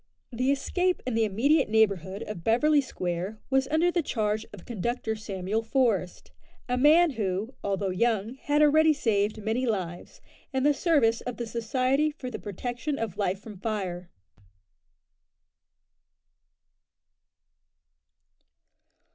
The escape in the immediate neighbourhood of Beverly Square was under the charge of Conductor Samuel Forest, a man who, although young, had already saved many lives, in the service of the Society for the Protection of Life from Fire.